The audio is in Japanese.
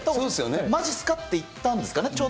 まじっすかって言ったんですかね。